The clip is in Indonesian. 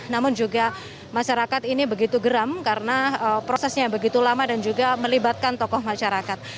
namun juga masyarakat ini begitu geram karena prosesnya begitu lama dan juga melibatkan tokoh masyarakat